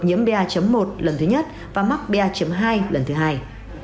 nhiễm ba một lần thứ nhất và mắc ba hai lần thứ hai